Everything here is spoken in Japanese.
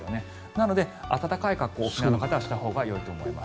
なので暖かい格好お出かけの方はしたほうがいいと思います。